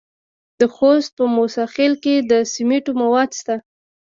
د خوست په موسی خیل کې د سمنټو مواد شته.